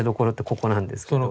ここなんですけど。